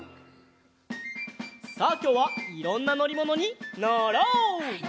さあきょうはいろんなのりものにのろう！